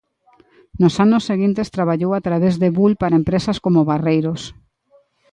Nos anos seguintes traballou a través de Bull para empresas como Barreiros.